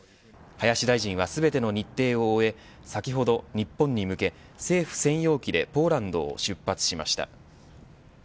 林大臣は全ての日程を終え先ほど、日本に向け政府専用機でポーランドを出発しました。